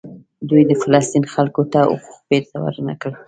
دوی د فلسطین خلکو ته حقوق بیرته ورنکړل.